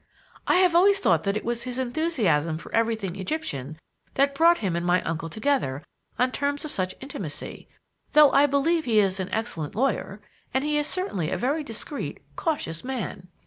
I have always thought that it was his enthusiasm for everything Egyptian that brought him and my uncle together on terms of such intimacy; though I believe he is an excellent lawyer, and he is certainly a very discreet, cautious man."